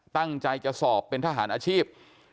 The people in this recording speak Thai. ตั้งใจจะสอบเป็นทหารอาชีพ